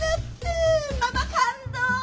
ママ感動！